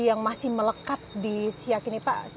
yang masih melekat di siak ini pak